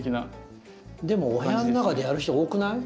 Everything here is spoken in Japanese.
でもお部屋の中でやる人が多くない？